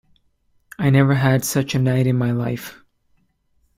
I never had such a night in my life!